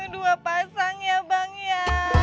dua pasang ya bang ya